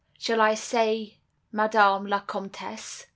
Shall I say Madame la Comtesse?